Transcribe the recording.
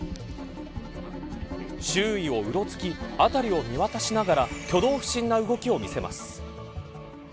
周囲をうろつき辺りを見渡しながら挙動不審な動きを見せます。